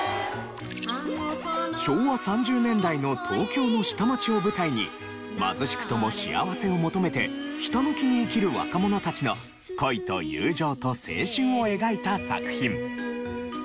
昭和３０年代の東京の下町を舞台に貧しくとも幸せを求めてひたむきに生きる若者たちの恋と友情と青春を描いた作品。